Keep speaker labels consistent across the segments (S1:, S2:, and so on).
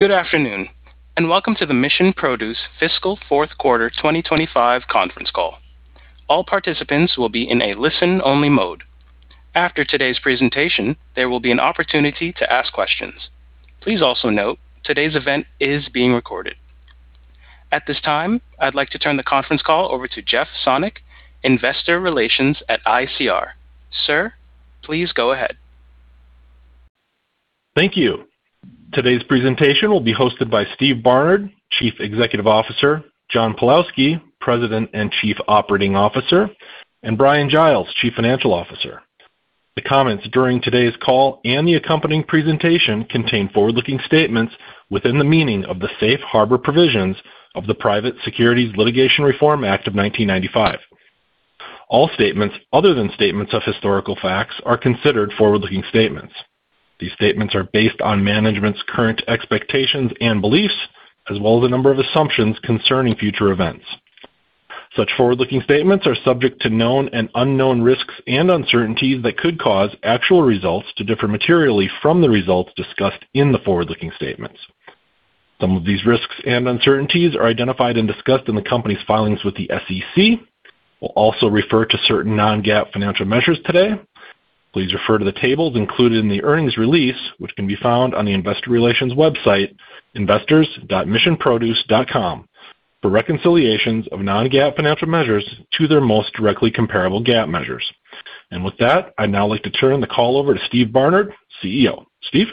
S1: Good afternoon, and welcome to the Mission Produce Fiscal Fourth Quarter 2025 conference call. All participants will be in a listen-only mode. After today's presentation, there will be an opportunity to ask questions. Please also note today's event is being recorded. At this time, I'd like to turn the conference call over to Jeff Sonnek, Investor Relations at ICR. Sir, please go ahead.
S2: Thank you. Today's presentation will be hosted by Steve Barnard, Chief Executive Officer, John Pawlowski, President and Chief Operating Officer, and Bryan Giles, Chief Financial Officer. The comments during today's call and the accompanying presentation contain forward-looking statements within the meaning of the Safe Harbor provisions of the Private Securities Litigation Reform Act of 1995. All statements other than statements of historical facts are considered forward-looking statements. These statements are based on management's current expectations and beliefs, as well as a number of assumptions concerning future events. Such forward-looking statements are subject to known and unknown risks and uncertainties that could cause actual results to differ materially from the results discussed in the forward-looking statements. Some of these risks and uncertainties are identified and discussed in the company's filings with the SEC. We'll also refer to certain non-GAAP financial measures today. Please refer to the tables included in the earnings release, which can be found on the Investor Relations website, investors.missionproduce.com, for reconciliations of non-GAAP financial measures to their most directly comparable GAAP measures, and with that, I'd now like to turn the call over to Steve Barnard, CEO. Steve?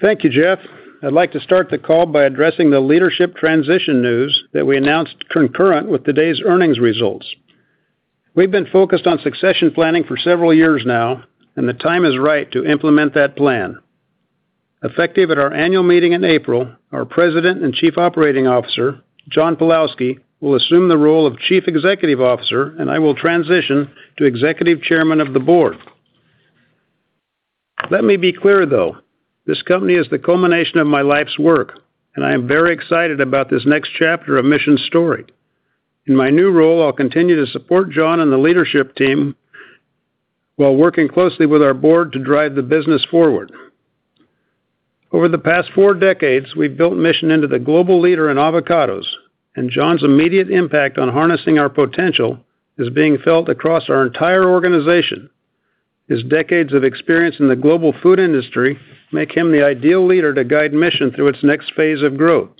S3: Thank you, Jeff. I'd like to start the call by addressing the leadership transition news that we announced concurrent with today's earnings results. We've been focused on succession planning for several years now, and the time is right to implement that plan. Effective at our Annual Meeting in April, our President and Chief Operating Officer, John Pawlowski, will assume the role of Chief Executive Officer, and I will transition to Executive Chairman of the Board. Let me be clear, though. This company is the culmination of my life's work, and I am very excited about this next chapter of Mission's story. In my new role, I'll continue to support John and the leadership team while working closely with our Board to drive the business forward. Over the past four decades, we've built Mission into the global leader in avocados, and John's immediate impact on harnessing our potential is being felt across our entire organization. His decades of experience in the global food industry make him the ideal leader to guide Mission through its next phase of growth.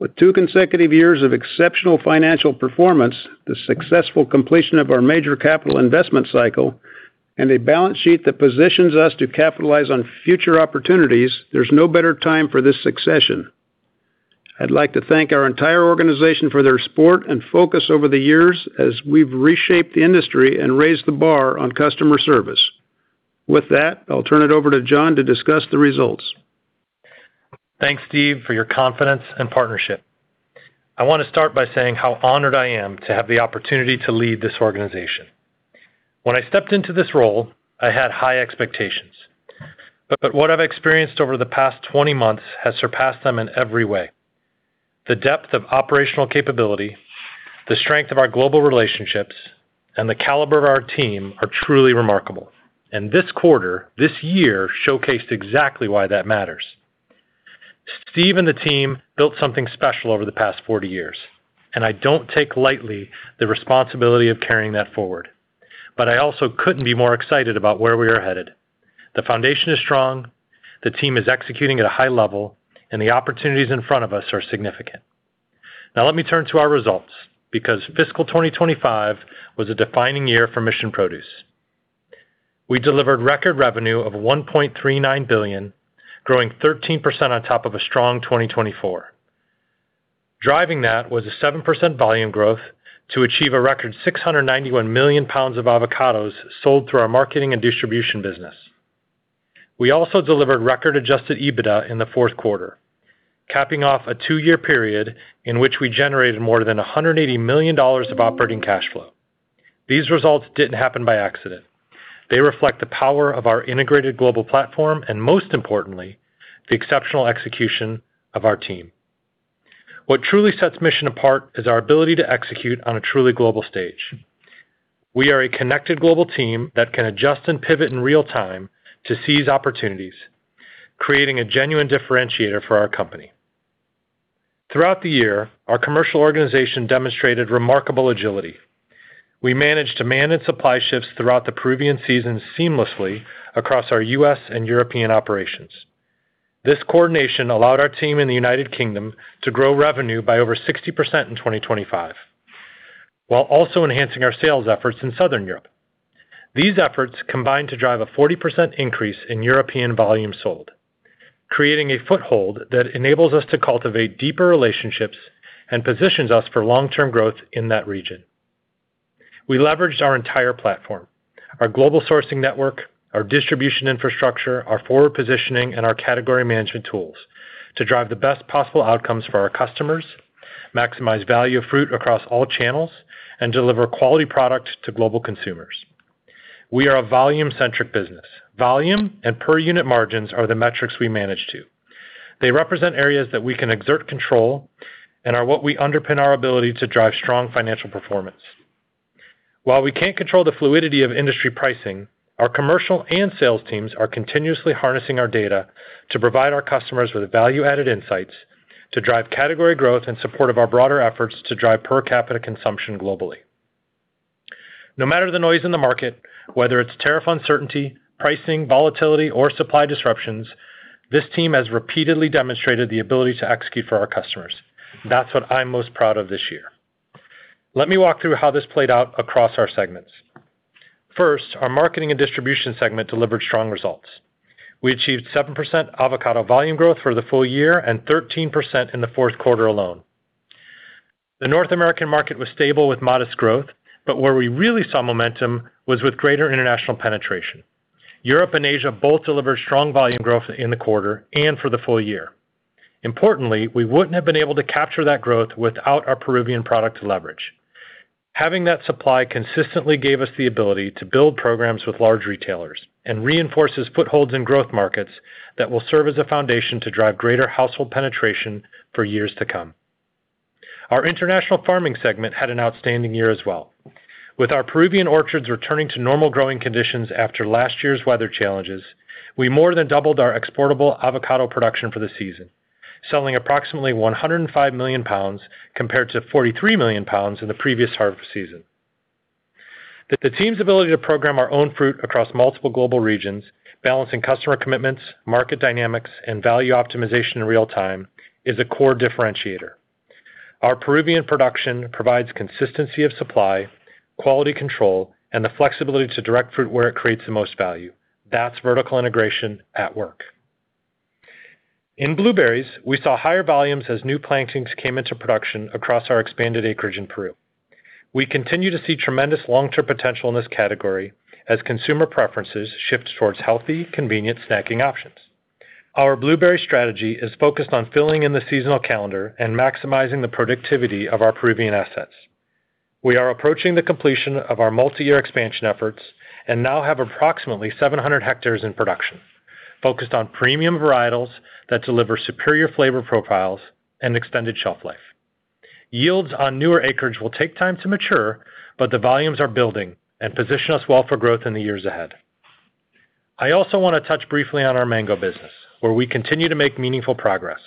S3: With two consecutive years of exceptional financial performance, the successful completion of our major capital investment cycle, and a balance sheet that positions us to capitalize on future opportunities, there's no better time for this succession. I'd like to thank our entire organization for their support and focus over the years as we've reshaped the industry and raised the bar on customer service. With that, I'll turn it over to John to discuss the results.
S4: Thanks, Steve, for your confidence and partnership. I want to start by saying how honored I am to have the opportunity to lead this organization. When I stepped into this role, I had high expectations, but what I've experienced over the past 20 months has surpassed them in every way. The depth of operational capability, the strength of our global relationships, and the caliber of our team are truly remarkable. And this quarter, this year, showcased exactly why that matters. Steve and the team built something special over the past 40 years, and I don't take lightly the responsibility of carrying that forward. But I also couldn't be more excited about where we are headed. The foundation is strong, the team is executing at a high level, and the opportunities in front of us are significant. Now, let me turn to our results, because fiscal 2025 was a defining year for Mission Produce. We delivered record revenue of $1.39 billion, growing 13% on top of a strong 2024. Driving that was a 7% volume growth to achieve a record $691 million of avocados sold through our Marketing & Distribution business. We also delivered record Adjusted EBITDA in the fourth quarter, capping off a two-year period in which we generated more than $180 million of operating cash flow. These results didn't happen by accident. They reflect the power of our integrated global platform and, most importantly, the exceptional execution of our team. What truly sets Mission apart is our ability to execute on a truly global stage. We are a connected global team that can adjust and pivot in real time to seize opportunities, creating a genuine differentiator for our company. Throughout the year, our commercial organization demonstrated remarkable agility. We managed supply shifts throughout the Peruvian season seamlessly across our U.S. and European operations. This coordination allowed our team in the United Kingdom to grow revenue by over 60% in 2025, while also enhancing our sales efforts in Southern Europe. These efforts combined to drive a 40% increase in European volume sold, creating a foothold that enables us to cultivate deeper relationships and positions us for long-term growth in that region. We leveraged our entire platform, our global sourcing network, our distribution infrastructure, our forward positioning, and our category management tools to drive the best possible outcomes for our customers, maximize value of fruit across all channels, and deliver quality product to global consumers. We are a volume-centric business. Volume and per-unit margins are the metrics we manage to. They represent areas that we can exert control and are what we underpin our ability to drive strong financial performance. While we can't control the fluidity of industry pricing, our commercial and sales teams are continuously harnessing our data to provide our customers with value-added insights to drive category growth in support of our broader efforts to drive per-capita consumption globally. No matter the noise in the market, whether it's tariff uncertainty, pricing, volatility, or supply disruptions, this team has repeatedly demonstrated the ability to execute for our customers. That's what I'm most proud of this year. Let me walk through how this played out across our segments. First, our Marketing & Distribution segment delivered strong results. We achieved 7% avocado volume growth for the full year and 13% in the fourth quarter alone. The North American market was stable with modest growth, but where we really saw momentum was with greater international penetration. Europe and Asia both delivered strong volume growth in the quarter and for the full year. Importantly, we wouldn't have been able to capture that growth without our Peruvian product leverage. Having that supply consistently gave us the ability to build programs with large retailers and reinforce footholds in growth markets that will serve as a foundation to drive greater household penetration for years to come. Our International Farming segment had an outstanding year as well. With our Peruvian orchards returning to normal growing conditions after last year's weather challenges, we more than doubled our exportable avocado production for the season, selling approximately $105 million compared to $43 million in the previous harvest season. The team's ability to program our own fruit across multiple global regions, balancing customer commitments, market dynamics, and value optimization in real time, is a core differentiator. Our Peruvian production provides consistency of supply, quality control, and the flexibility to direct fruit where it creates the most value. That's vertical integration at work. In blueberries, we saw higher volumes as new plantings came into production across our expanded acreage in Peru. We continue to see tremendous long-term potential in this category as consumer preferences shift towards healthy, convenient snacking options. Our blueberry strategy is focused on filling in the seasonal calendar and maximizing the productivity of our Peruvian assets. We are approaching the completion of our multi-year expansion efforts and now have approximately 700 hectares in production, focused on premium varietals that deliver superior flavor profiles and extended shelf life. Yields on newer acreage will take time to mature, but the volumes are building and position us well for growth in the years ahead. I also want to touch briefly on our mango business, where we continue to make meaningful progress.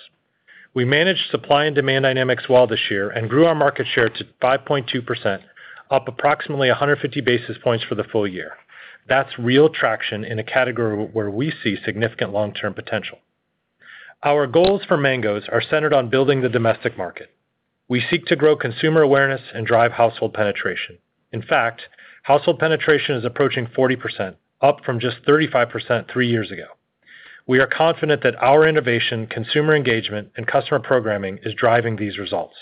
S4: We managed supply and demand dynamics well this year and grew our market share to 5.2%, up approximately 150 basis points for the full year. That's real traction in a category where we see significant long-term potential. Our goals for mangoes are centered on building the domestic market. We seek to grow consumer awareness and drive household penetration. In fact, household penetration is approaching 40%, up from just 35% three years ago. We are confident that our innovation, consumer engagement, and customer programming is driving these results.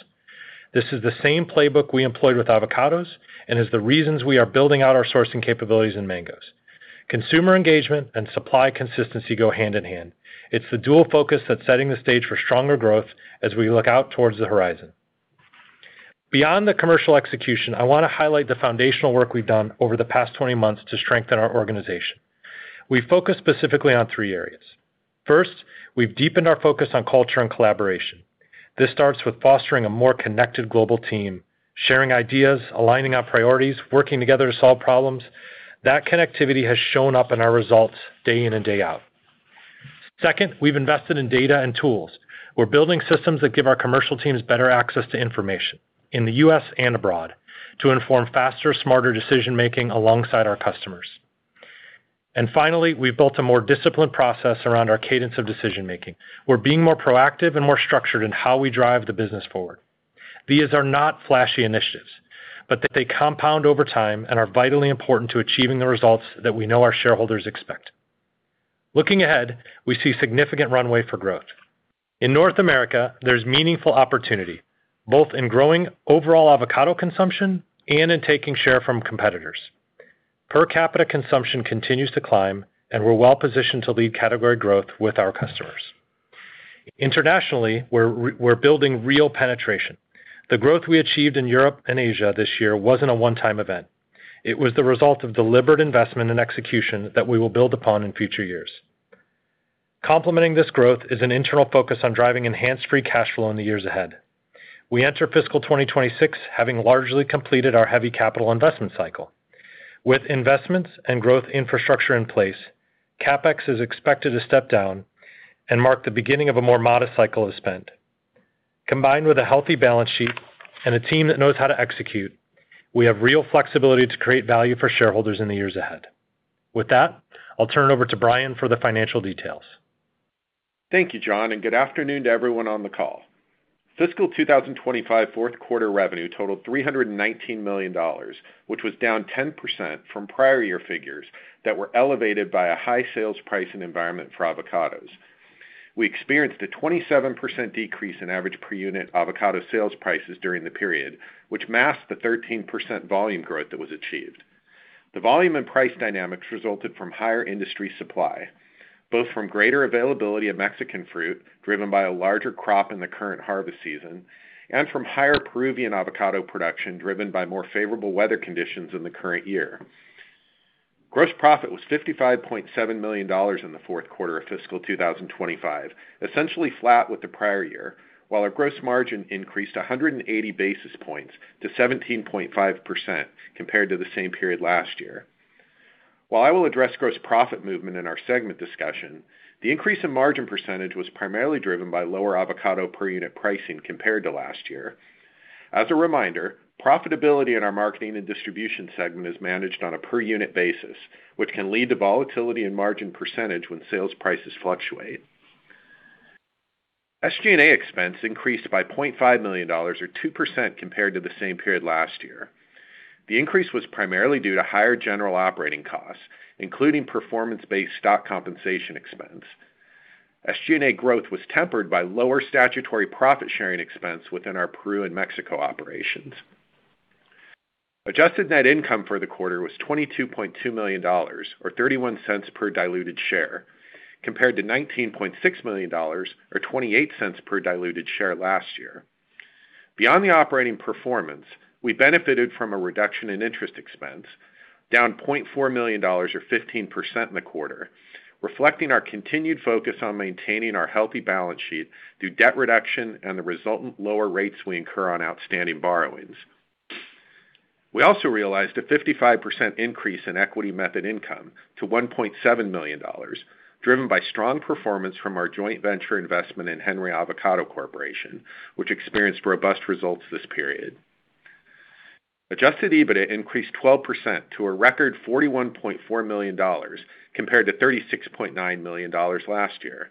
S4: This is the same playbook we employed with avocados and is the reasons we are building out our sourcing capabilities in mangoes. Consumer engagement and supply consistency go hand in hand. It's the dual focus that's setting the stage for stronger growth as we look out toward the horizon. Beyond the commercial execution, I want to highlight the foundational work we've done over the past 20 months to strengthen our organization. We focus specifically on three areas. First, we've deepened our focus on culture and collaboration. This starts with fostering a more connected global team, sharing ideas, aligning our priorities, working together to solve problems. That connectivity has shown up in our results day in and day out. Second, we've invested in data and tools. We're building systems that give our commercial teams better access to information in the U.S. and abroad to inform faster, smarter decision-making alongside our customers. And finally, we've built a more disciplined process around our cadence of decision-making. We're being more proactive and more structured in how we drive the business forward. These are not flashy initiatives, but they compound over time and are vitally important to achieving the results that we know our shareholders expect. Looking ahead, we see significant runway for growth. In North America, there's meaningful opportunity, both in growing overall avocado consumption and in taking share from competitors. Per-capita consumption continues to climb, and we're well-positioned to lead category growth with our customers. Internationally, we're building real penetration. The growth we achieved in Europe and Asia this year wasn't a one-time event. It was the result of deliberate investment and execution that we will build upon in future years. Complementing this growth is an internal focus on driving enhanced free cash flow in the years ahead. We enter fiscal 2026 having largely completed our heavy capital investment cycle. With investments and growth infrastructure in place, CapEx is expected to step down and mark the beginning of a more modest cycle of spend. Combined with a healthy balance sheet and a team that knows how to execute, we have real flexibility to create value for shareholders in the years ahead. With that, I'll turn it over to Bryan for the financial details.
S5: Thank you, John, and good afternoon to everyone on the call. Fiscal 2025 fourth quarter revenue totaled $319 million, which was down 10% from prior year figures that were elevated by a high sales price and environment for avocados. We experienced a 27% decrease in average per-unit avocado sales prices during the period, which masked the 13% volume growth that was achieved. The volume and price dynamics resulted from higher industry supply, both from greater availability of Mexican fruit driven by a larger crop in the current harvest season and from higher Peruvian avocado production driven by more favorable weather conditions in the current year. Gross profit was $55.7 million in the fourth quarter of Fiscal 2025, essentially flat with the prior year, while our gross margin increased 180 basis points to 17.5% compared to the same period last year. While I will address gross profit movement in our segment discussion, the increase in margin percentage was primarily driven by lower avocado per-unit pricing compared to last year. As a reminder, profitability in our Marketing & Distribution segment is managed on a per-unit basis, which can lead to volatility in margin percentage when sales prices fluctuate. SG&A expense increased by $0.5 million, or 2%, compared to the same period last year. The increase was primarily due to higher general operating costs, including performance-based stock compensation expense. SG&A growth was tempered by lower statutory profit-sharing expense within our Peru and Mexico operations. Adjusted net income for the quarter was $22.2 million, or $0.31 per diluted share, compared to $19.6 million, or $0.28 per diluted share last year. Beyond the operating performance, we benefited from a reduction in interest expense, down $0.4 million, or 15%, in the quarter, reflecting our continued focus on maintaining our healthy balance sheet through debt reduction and the resultant lower rates we incur on outstanding borrowings. We also realized a 55% increase in equity method income to $1.7 million, driven by strong performance from our joint venture investment in Henry Avocado Corporation, which experienced robust results this period. Adjusted EBITDA increased 12% to a record $41.4 million compared to $36.9 million last year,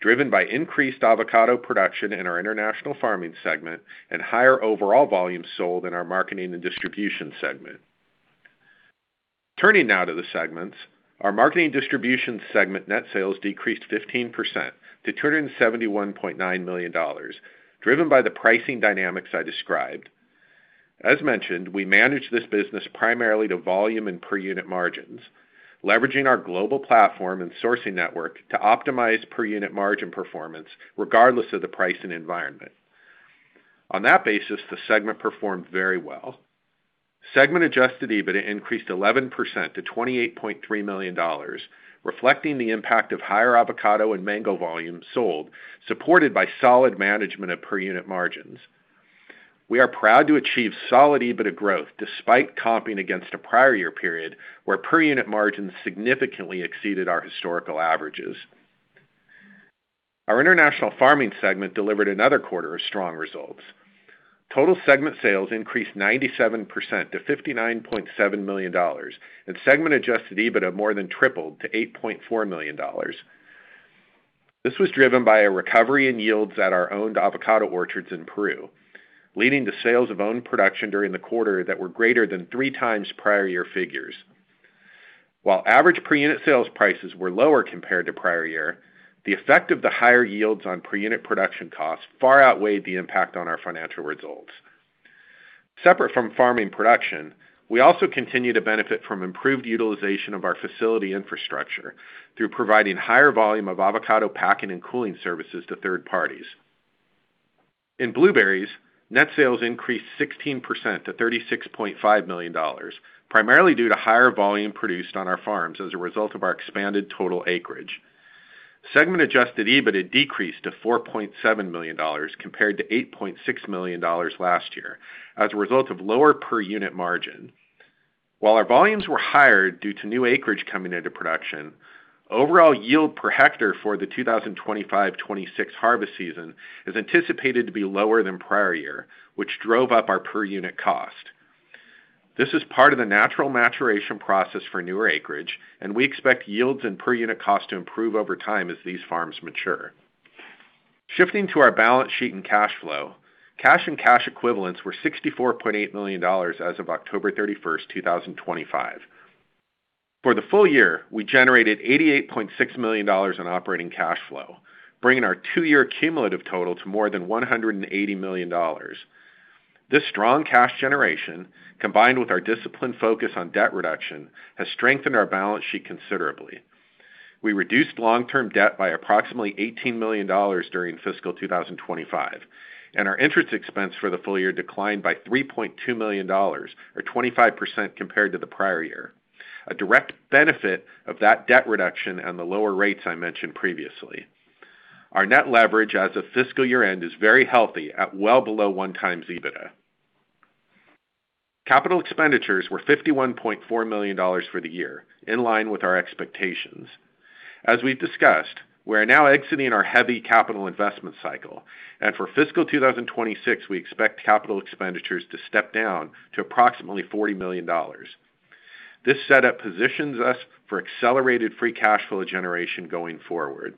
S5: driven by increased avocado production in our International Farming segment and higher overall volume sold in our Marketing & Distribution segment. Turning now to the segments, our Marketing & Distribution segment net sales decreased 15% to $271.9 million, driven by the pricing dynamics I described. As mentioned, we manage this business primarily to volume and per-unit margins, leveraging our global platform and sourcing network to optimize per-unit margin performance regardless of the pricing environment. On that basis, the segment performed very well. Segment-adjusted EBITDA increased 11% to $28.3 million, reflecting the impact of higher avocado and mango volume sold, supported by solid management of per-unit margins. We are proud to achieve solid EBITDA growth despite comping against a prior year period where per-unit margins significantly exceeded our historical averages. Our International Farming segment delivered another quarter of strong results. Total segment sales increased 97% to $59.7 million, and segment-adjusted EBITDA more than tripled to $8.4 million. This was driven by a recovery in yields at our owned avocado orchards in Peru, leading to sales of owned production during the quarter that were greater than three times prior year figures. While average per-unit sales prices were lower compared to prior year, the effect of the higher yields on per-unit production costs far outweighed the impact on our financial results. Separate from farming production, we also continue to benefit from improved utilization of our facility infrastructure through providing higher volume of avocado packing and cooling services to third parties. In blueberries, net sales increased 16% to $36.5 million, primarily due to higher volume produced on our farms as a result of our expanded total acreage. Segment-adjusted EBITDA decreased to $4.7 million compared to $8.6 million last year as a result of lower per-unit margin. While our volumes were higher due to new acreage coming into production, overall yield per hectare for the 2025-2026 harvest season is anticipated to be lower than prior year, which drove up our per-unit cost. This is part of the natural maturation process for newer acreage, and we expect yields and per-unit cost to improve over time as these farms mature. Shifting to our balance sheet and cash flow, cash and cash equivalents were $64.8 million as of October 31, 2025. For the full year, we generated $88.6 million in operating cash flow, bringing our two-year cumulative total to more than $180 million. This strong cash generation, combined with our disciplined focus on debt reduction, has strengthened our balance sheet considerably. We reduced long-term debt by approximately $18 million during Fiscal 2025, and our interest expense for the full year declined by $3.2 million, or 25% compared to the prior year, a direct benefit of that debt reduction and the lower rates I mentioned previously. Our net leverage as of fiscal year-end is very healthy at well below one times EBITDA. Capital expenditures were $51.4 million for the year, in line with our expectations. As we've discussed, we are now exiting our heavy capital investment cycle, and for Fiscal 2026, we expect capital expenditures to step down to approximately $40 million. This setup positions us for accelerated free cash flow generation going forward.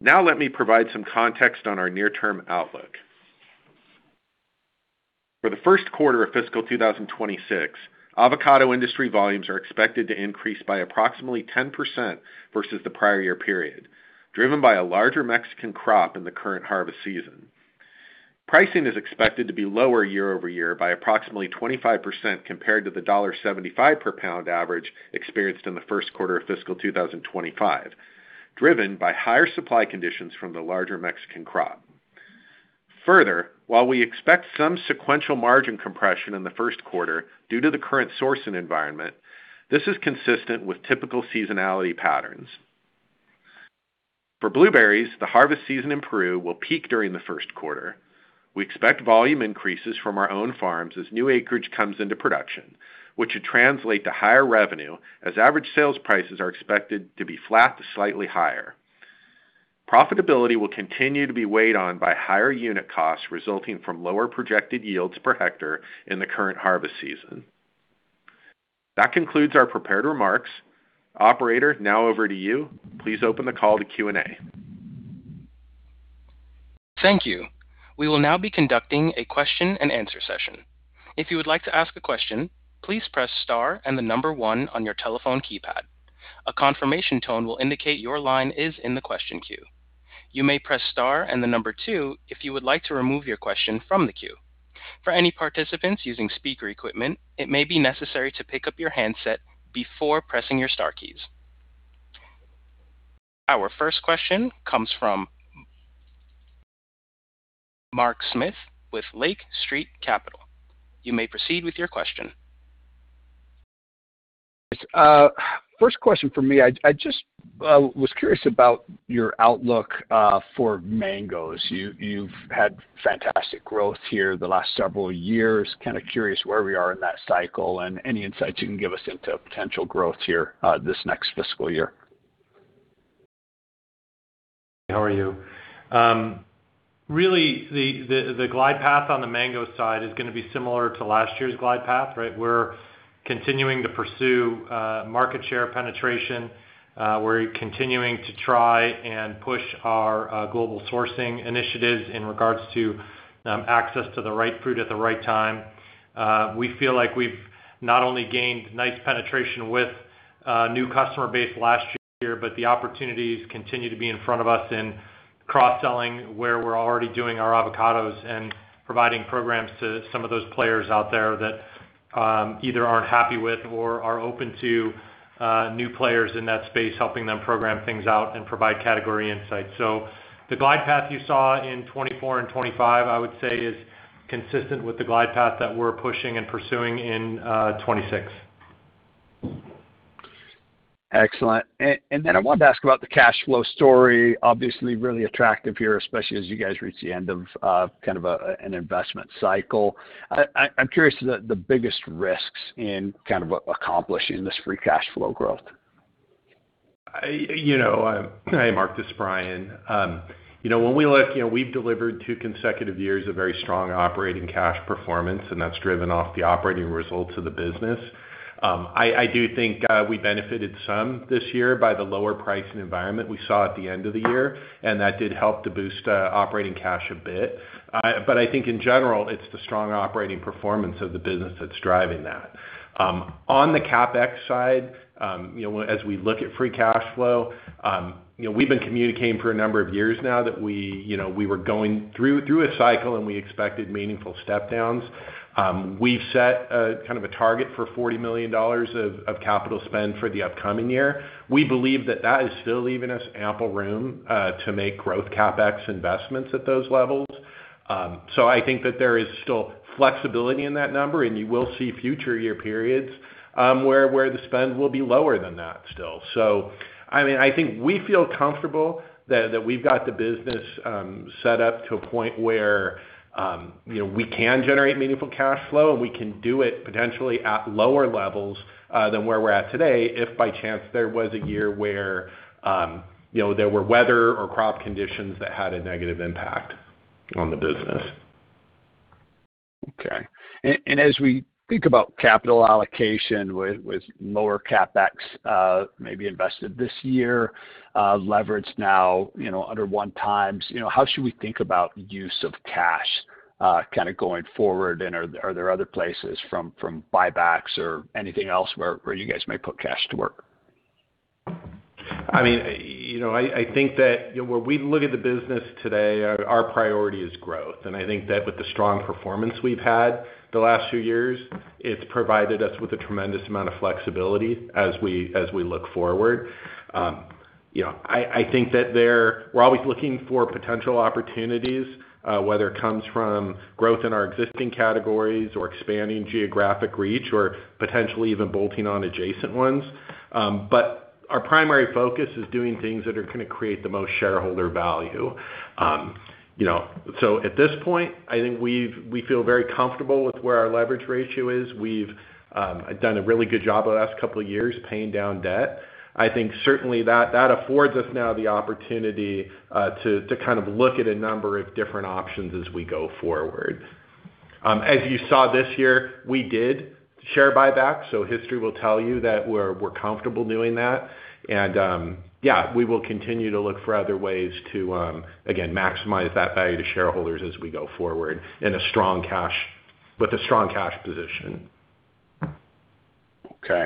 S5: Now let me provide some context on our near-term outlook. For the first quarter of Fiscal 2026, avocado industry volumes are expected to increase by approximately 10% versus the prior year period, driven by a larger Mexican crop in the current harvest season. Pricing is expected to be lower year over year by approximately 25% compared to the $1.75 per pound average experienced in the first quarter of Fiscal 2025, driven by higher supply conditions from the larger Mexican crop. Further, while we expect some sequential margin compression in the first quarter due to the current sourcing environment, this is consistent with typical seasonality patterns. For blueberries, the harvest season in Peru will peak during the first quarter. We expect volume increases from our own farms as new acreage comes into production, which should translate to higher revenue as average sales prices are expected to be flat to slightly higher. Profitability will continue to be weighed on by higher unit costs resulting from lower projected yields per hectare in the current harvest season. That concludes our prepared remarks. Operator, now over to you. Please open the call to Q&A.
S1: Thank you. We will now be conducting a question-and-answer session. If you would like to ask a question, please press star and the number one on your telephone keypad. A confirmation tone will indicate your line is in the question queue. You may press star and the number two if you would like to remove your question from the queue. For any participants using speaker equipment, it may be necessary to pick up your handset before pressing your star keys. Our first question comes from Mark Smith with Lake Street Capital. You may proceed with your question.
S6: Yes. First question for me. I just was curious about your outlook for mangoes. You've had fantastic growth here the last several years. Kind of curious where we are in that cycle and any insights you can give us into potential growth here this next fiscal year.
S4: How are you? Really, the glide path on the mango side is going to be similar to last year's glide path, right? We're continuing to pursue market share penetration. We're continuing to try and push our global sourcing initiatives in regards to access to the right fruit at the right time. We feel like we've not only gained nice penetration with new customer base last year, but the opportunities continue to be in front of us in cross-selling where we're already doing our avocados and providing programs to some of those players out there that either aren't happy with or are open to new players in that space, helping them program things out and provide category insights. So the glide path you saw in 2024 and 2025, I would say, is consistent with the glide path that we're pushing and pursuing in 2026.
S6: Excellent. And then I wanted to ask about the cash flow story. Obviously, really attractive here, especially as you guys reach the end of kind of an investment cycle. I'm curious about the biggest risks in kind of accomplishing this free cash flow growth?
S5: Mark, this is Bryan. When we look, we've delivered two consecutive years of very strong operating cash performance, and that's driven off the operating results of the business. I do think we benefited some this year by the lower pricing environment we saw at the end of the year, and that did help to boost operating cash a bit. But I think, in general, it's the strong operating performance of the business that's driving that. On the CapEx side, as we look at free cash flow, we've been communicating for a number of years now that we were going through a cycle and we expected meaningful step-downs. We've set kind of a target for $40 million of capital spend for the upcoming year. We believe that that is still leaving us ample room to make growth CapEx investments at those levels. So I think that there is still flexibility in that number, and you will see future year periods where the spend will be lower than that still. So I mean, I think we feel comfortable that we've got the business set up to a point where we can generate meaningful cash flow, and we can do it potentially at lower levels than where we're at today if by chance there was a year where there were weather or crop conditions that had a negative impact on the business.
S6: Okay. And as we think about capital allocation with lower CapEx, maybe invested this year, leveraged now under one times, how should we think about use of cash kind of going forward, and are there other places from buybacks or anything else where you guys may put cash to work?
S3: I mean, I think that when we look at the business today, our priority is growth. And I think that with the strong performance we've had the last few years, it's provided us with a tremendous amount of flexibility as we look forward. I think that we're always looking for potential opportunities, whether it comes from growth in our existing categories or expanding geographic reach or potentially even bolting on adjacent ones. But our primary focus is doing things that are going to create the most shareholder value. So at this point, I think we feel very comfortable with where our leverage ratio is. We've done a really good job the last couple of years paying down debt. I think certainly that affords us now the opportunity to kind of look at a number of different options as we go forward. As you saw this year, we did share buybacks. So history will tell you that we're comfortable doing that. And yeah, we will continue to look for other ways to, again, maximize that value to shareholders as we go forward with a strong cash position.
S6: Okay,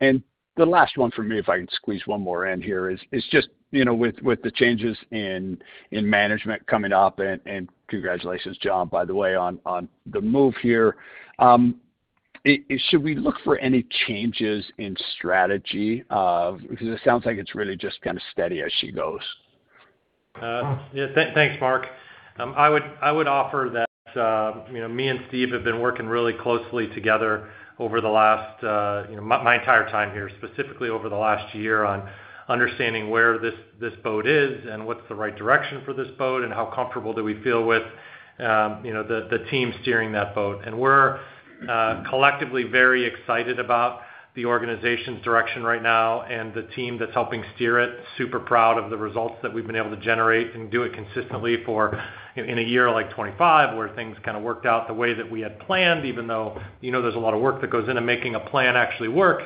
S6: and the last one for me, if I can squeeze one more in here, is just with the changes in management coming up, and congratulations, John, by the way, on the move here. Should we look for any changes in strategy? Because it sounds like it's really just kind of steady as she goes.
S4: Yeah. Thanks, Mark. I would offer that me and Steve have been working really closely together over my entire time here, specifically over the last year on understanding where this boat is and what's the right direction for this boat and how comfortable do we feel with the team steering that boat. And we're collectively very excited about the organization's direction right now and the team that's helping steer it. Super proud of the results that we've been able to generate and do it consistently, in a year like 2025 where things kind of worked out the way that we had planned, even though there's a lot of work that goes into making a plan actually work.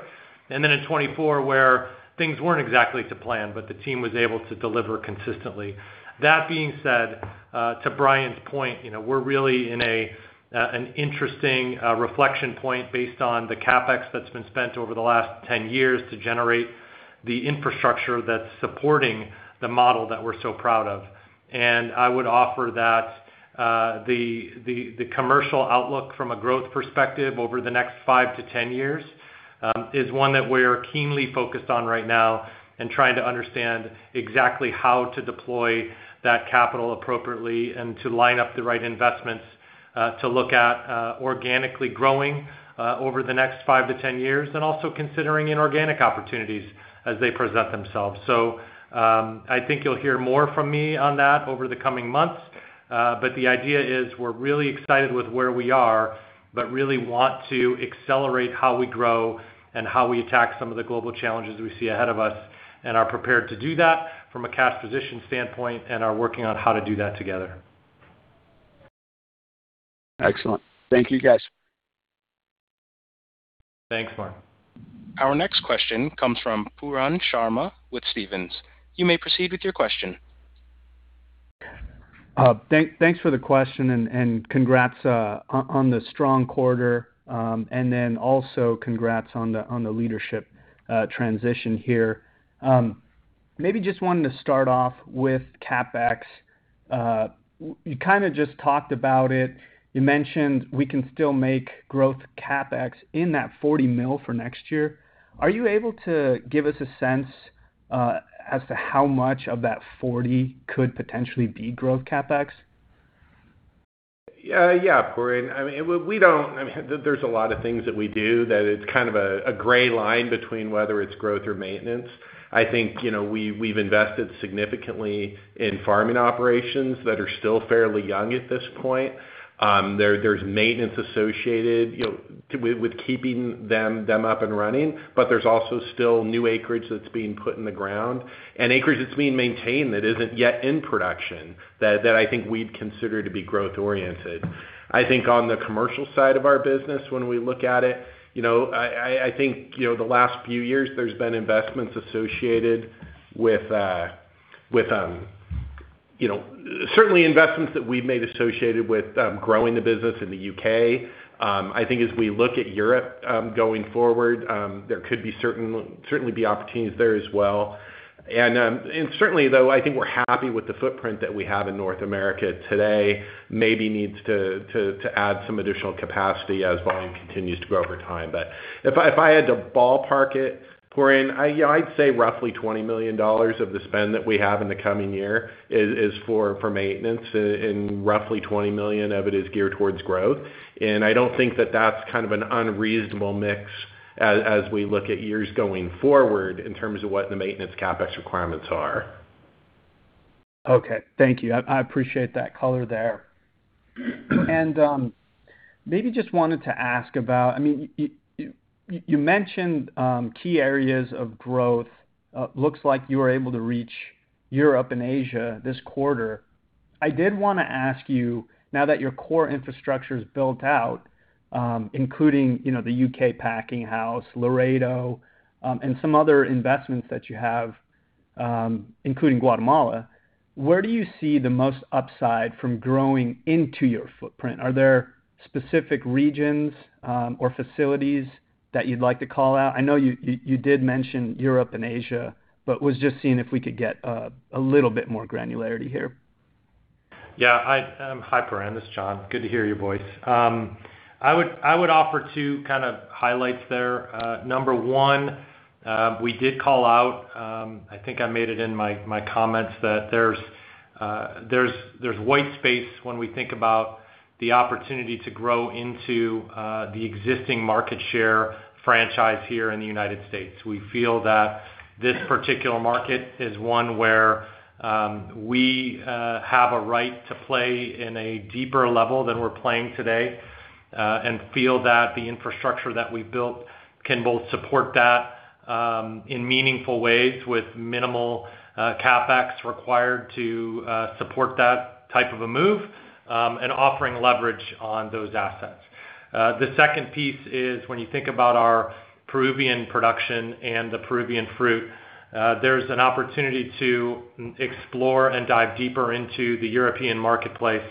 S4: And then in 2024, where things weren't exactly to plan, but the team was able to deliver consistently. That being said, to Bryan's point, we're really in an interesting inflection point based on the CapEx that's been spent over the last 10 years to generate the infrastructure that's supporting the model that we're so proud of, and I would offer that the commercial outlook from a growth perspective over the next five to 10 years is one that we're keenly focused on right now and trying to understand exactly how to deploy that capital appropriately and to line up the right investments to look at organically growing over the next five to 10 years and also considering inorganic opportunities as they present themselves, so I think you'll hear more from me on that over the coming months. But the idea is we're really excited with where we are, but really want to accelerate how we grow and how we attack some of the global challenges we see ahead of us and are prepared to do that from a cash position standpoint and are working on how to do that together.
S6: Excellent. Thank you, guys.
S4: Thanks, Mark.
S1: Our next question comes from Pooran Sharma with Stephens. You may proceed with your question.
S7: Thanks for the question and congrats on the strong quarter. And then also congrats on the leadership transition here. Maybe just wanted to start off with CapEx. You kind of just talked about it. You mentioned we can still make growth CapEx in that $40 million for next year. Are you able to give us a sense as to how much of that $40 million could potentially be growth CapEx?
S5: Yeah, Pooran. I mean, there's a lot of things that we do that it's kind of a gray line between whether it's growth or maintenance. I think we've invested significantly in farming operations that are still fairly young at this point. There's maintenance associated with keeping them up and running, but there's also still new acreage that's being put in the ground and acreage that's being maintained that isn't yet in production that I think we'd consider to be growth-oriented. I think on the commercial side of our business, when we look at it, I think the last few years there's been investments associated with certain investments that we've made associated with growing the business in the U.K. I think as we look at Europe going forward, there could certainly be opportunities there as well. And certainly, though, I think we're happy with the footprint that we have in North America today, maybe needs to add some additional capacity as volume continues to grow over time. But if I had to ballpark it, Pooran, I'd say roughly $20 million of the spend that we have in the coming year is for maintenance, and roughly $20 million of it is geared towards growth. And I don't think that that's kind of an unreasonable mix as we look at years going forward in terms of what the maintenance CapEx requirements are.
S7: Okay. Thank you. I appreciate that color there. And maybe just wanted to ask about, I mean, you mentioned key areas of growth. Looks like you were able to reach Europe and Asia this quarter. I did want to ask you, now that your core infrastructure is built out, including the U.K. packing house, Laredo, and some other investments that you have, including Guatemala, where do you see the most upside from growing into your footprint? Are there specific regions or facilities that you'd like to call out? I know you did mention Europe and Asia, but was just seeing if we could get a little bit more granularity here.
S4: Yeah. Hi, Pooran. This is John. Good to hear your voice. I would offer two kind of highlights there. Number one, we did call out, I think I made it in my comments, that there's white space when we think about the opportunity to grow into the existing market share franchise here in the United States. We feel that this particular market is one where we have a right to play in a deeper level than we're playing today and feel that the infrastructure that we've built can both support that in meaningful ways with minimal CapEx required to support that type of a move and offering leverage on those assets. The second piece is when you think about our Peruvian production and the Peruvian fruit, there's an opportunity to explore and dive deeper into the European marketplace.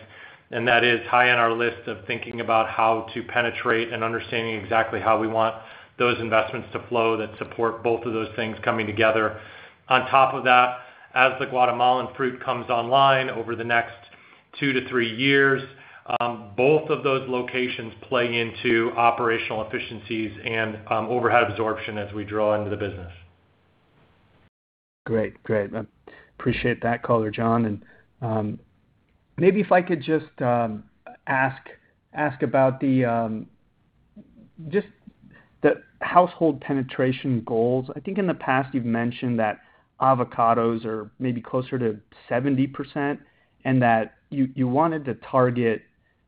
S4: That is high on our list of thinking about how to penetrate and understanding exactly how we want those investments to flow that support both of those things coming together. On top of that, as the Guatemalan fruit comes online over the next two-to-three years, both of those locations play into operational efficiencies and overhead absorption as we draw into the business.
S7: Great. Great. Appreciate that color, John. And maybe if I could just ask about just the household penetration goals. I think in the past you've mentioned that avocados are maybe closer to 70% and that you wanted to target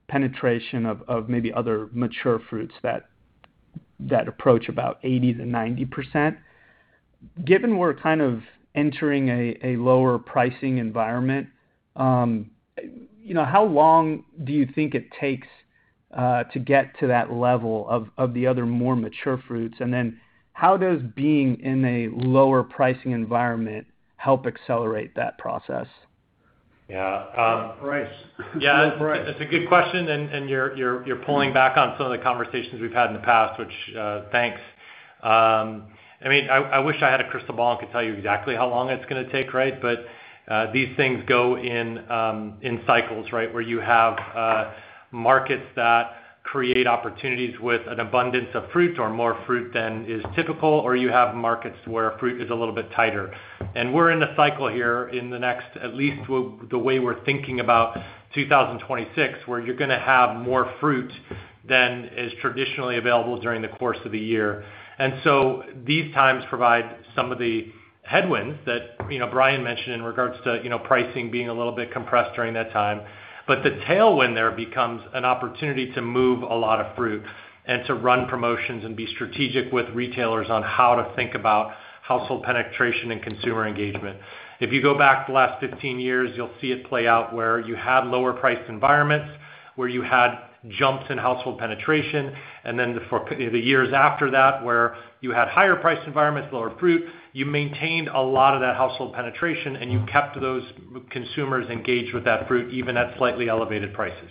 S7: penetration of maybe other mature fruits, that approach about 80%-90%. Given we're kind of entering a lower pricing environment, how long do you think it takes to get to that level of the other more mature fruits? And then how does being in a lower pricing environment help accelerate that process?
S4: Yeah. That's a good question, and you're pulling back on some of the conversations we've had in the past, which thanks. I mean, I wish I had a crystal ball and could tell you exactly how long it's going to take, right? But these things go in cycles, right, where you have markets that create opportunities with an abundance of fruit or more fruit than is typical, or you have markets where fruit is a little bit tighter, and we're in a cycle here in the next, at least the way we're thinking about 2026, where you're going to have more fruit than is traditionally available during the course of the year, and so these times provide some of the headwinds that Bryan mentioned in regards to pricing being a little bit compressed during that time. But the tailwind there becomes an opportunity to move a lot of fruit and to run promotions and be strategic with retailers on how to think about household penetration and consumer engagement. If you go back the last 15 years, you'll see it play out where you had lower-priced environments, where you had jumps in household penetration, and then the years after that, where you had higher-priced environments, lower fruit, you maintained a lot of that household penetration, and you kept those consumers engaged with that fruit even at slightly elevated prices.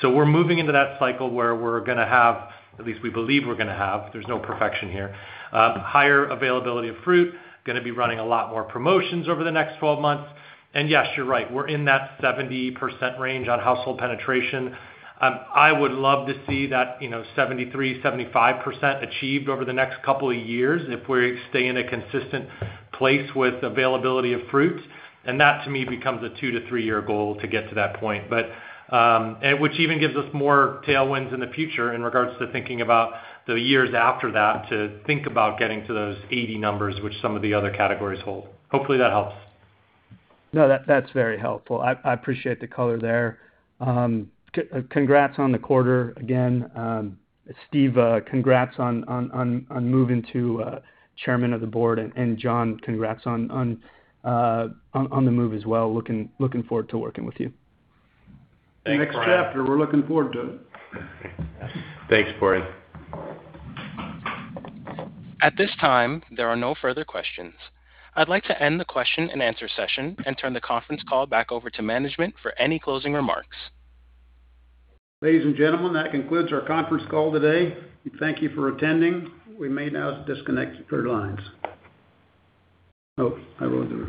S4: So we're moving into that cycle where we're going to have, at least we believe we're going to have, there's no perfection here, higher availability of fruit, going to be running a lot more promotions over the next 12 months. And yes, you're right. We're in that 70% range on household penetration. I would love to see that 73%-75% achieved over the next couple of years if we stay in a consistent place with availability of fruit. And that, to me, becomes a two to three-year goal to get to that point, which even gives us more tailwinds in the future in regards to thinking about the years after that to think about getting to those 80 numbers, which some of the other categories hold. Hopefully, that helps.
S7: No, that's very helpful. I appreciate the color there. Congrats on the quarter again. Steve, congrats on moving to chairman of the board. And John, congrats on the move as well. Looking forward to working with you.
S4: Thanks, Pooran.
S3: Next chapter, we're looking forward to it.
S5: Thanks, Pooran.
S1: At this time, there are no further questions. I'd like to end the question and answer session and turn the conference call back over to management for any closing remarks.
S3: Ladies and gentlemen, that concludes our conference call today. Thank you for attending. We may now disconnect your lines. Oh, I wrote it.